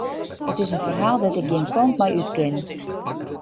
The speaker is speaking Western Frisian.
It is in ferhaal dêr't ik gjin kant mei út kin.